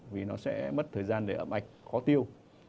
vì nó sẽ mất thời gian để ấm ạch khó tiêu